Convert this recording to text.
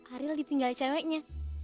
ariel ditinggal ceweknya